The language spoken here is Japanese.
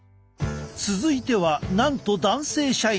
続いてはなんと男性社員！